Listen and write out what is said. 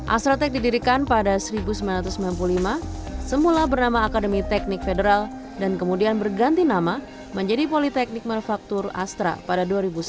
asrotek didirikan pada seribu sembilan ratus sembilan puluh lima semula bernama akademi teknik federal dan kemudian berganti nama menjadi politeknik manufaktur astra pada dua ribu sebelas